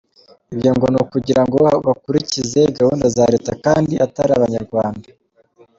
Ibyo ngo nukugirango bakurikize gahunda za leta kandi atari Abanyarwanda.